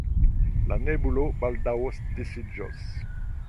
La nebulo baldaŭ disiĝos.